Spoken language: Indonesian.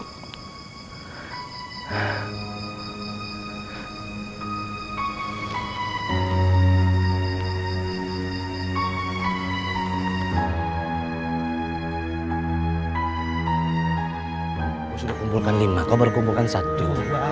aku sudah kumpulkan lima kau baru kumpulkan satu